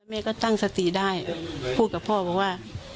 แม่ก็ตั้งสติได้พูดกับพ่อบอกว่า